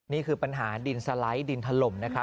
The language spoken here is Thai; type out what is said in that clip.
เรื่องจากว่าผลมันตกหนักใช่ไหมคะ